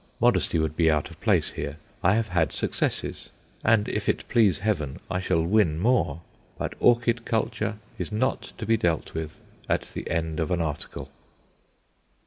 Modesty would be out of place here. I have had successes, and if it please Heaven, I shall win more. But orchid culture is not to be dealt with at the end of an article.